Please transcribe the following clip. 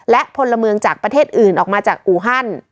และพลเมืองจากประเทศอื่นออกมาจากอูฮัน